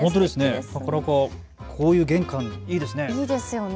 なかなかこういう玄関、いいですよね。